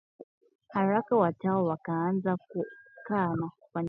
haraka watawa wakaanza kukaa na kufanya kazi pamoja ili kujipatia mahitaji